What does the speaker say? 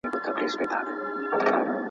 سیلۍ نامردي ورانوي آباد کورونه.